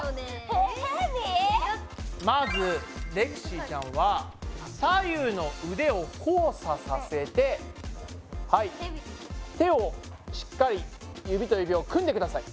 まずはレクシーちゃんは左右の腕を交差させてはい手をしっかり指と指を組んでください。